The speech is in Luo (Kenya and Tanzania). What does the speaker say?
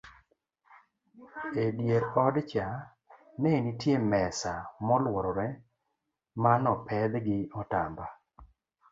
edier odcha nenitie mesa moluorore manopedh gi otamba